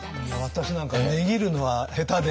私なんか値切るのは下手で。